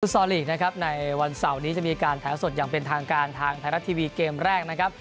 ซอลลีกนะครับในวันเสาร์นี้จะมีการแถวสดอย่างเป็นทางการทางไทยรัฐทีวีเกมแรกนะครับ